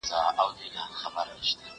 زه سبا ته فکر نه کوم؟!